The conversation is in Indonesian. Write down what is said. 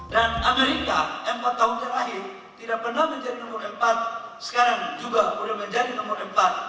dan amerika empat tahun terakhir tidak pernah menjadi nomor empat sekarang juga sudah menjadi nomor empat